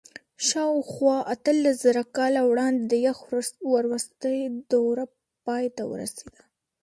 شاوخوا اتلسزره کاله وړاندې د یخ وروستۍ دوره پای ته ورسېده.